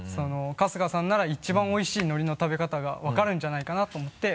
春日さんなら一番おいしい海苔の食べ方が分かるんじゃないかなと思って。